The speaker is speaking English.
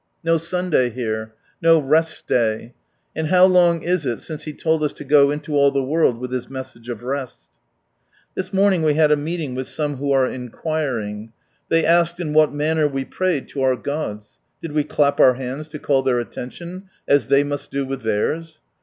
No Sunday here. No Rest Day. And how long is it since He told us to go into ail the world with His Message of Rest ? This morning we had a meeting with some who are inquiring. Tliey asked in what manner we prayed to our Gods, did we clap our hands to call their attention, as they must do with theirs